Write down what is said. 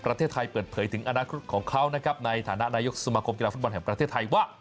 ประเทศไทยเปิดเผยถึงอนาคตของเขานะครับในฐานะนายกสมาคมกีฬาฟุตบอลแห่งประเทศไทยว่า